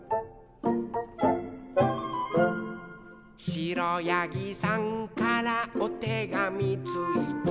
「しろやぎさんからおてがみついた」